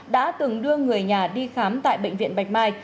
đã từng đưa người nhà đi khám tại bệnh viện bạch mai